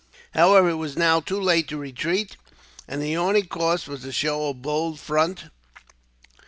However, it was now too late to retreat, and the only course was to show a bold front.